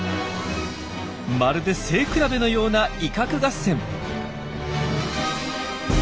まるで背比べのような威嚇合戦。